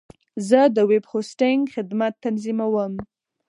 زه د ویب هوسټنګ خدمت تنظیموم.